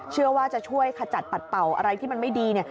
เชื่อว่าจะช่วยขจัดปัดเป่าอะไรที่มันไม่ดี